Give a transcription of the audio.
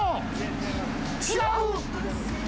違う！？